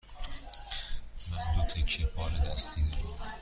من دو تکه بار دستی دارم.